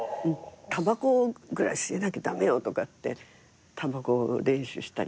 「たばこぐらい吸えなきゃ駄目よ」とかってたばこを練習したりね。